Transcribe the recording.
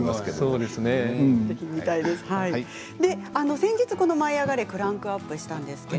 先日この「舞いあがれ！」クランクアップしたんですね。